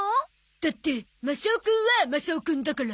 だってマサオくんはマサオくんだから。